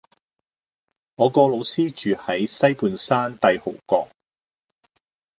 我個老師住喺西半山帝豪閣